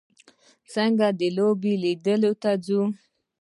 خلک د لوبو لیدلو ته ځي.